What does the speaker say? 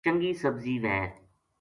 چنگی سبزی وھے